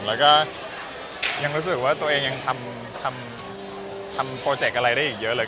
แล้วก็ยังรู้สึกว่าตัวเองยังทำโปรเจคอะไรได้อีกเยอะเลย